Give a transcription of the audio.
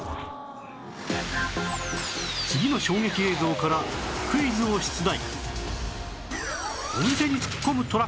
次の衝撃映像からクイズを出題